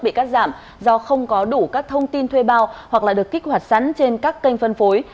bị cắt giảm do không có đủ các thông tin thuê bao hoặc được kích hoạt sẵn trên các kênh phân phối